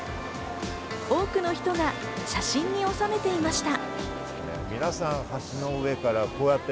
多くの人が写真に収めていました。